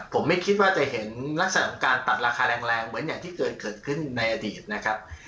ผมไม่คิดว่าจะเห็นลักษณะของการตัดราคาแรงเหมือนอย่างที่เกิดเกิดขึ้นในอดีตนะครับ